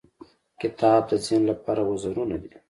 • کتاب د ذهن لپاره وزرونه دي.